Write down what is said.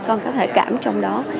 con có thể cảm trong đó